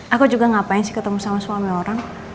aku juga ngapain sih ketemu sama suami orang